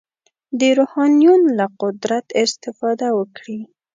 د روحانیونو له قدرت استفاده وکړي.